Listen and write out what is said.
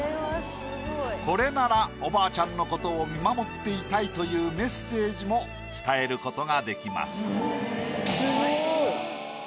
これならおばあちゃんの事を見守っていたいというメッセージも伝える事ができます。